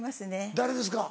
誰ですか？